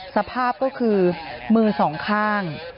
สภาพก็คือมือสองข้าง